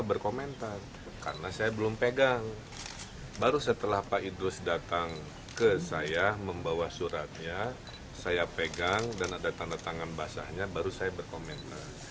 baru setelah pak idrus datang ke saya membawa suratnya saya pegang dan ada tanda tangan basahnya baru saya berkomentar